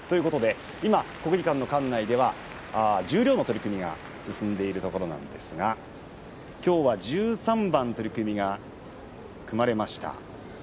今、国技館の館内では十両の取組が進んでいるところなんですがきょうは１３番、取組が組まれました。